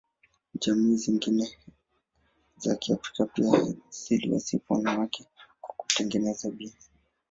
Jamii zingine za Kiafrika pia ziliwasifu wanawake kwa kutengeneza bia.